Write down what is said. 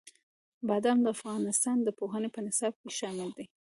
بادام د افغانستان د پوهنې په نصاب کې شامل دي.